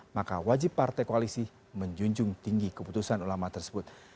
maka wajib partai koalisi menjunjung tinggi keputusan ulama tersebut